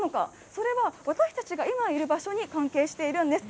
それは、私たちが今いる場所に関係しているんです。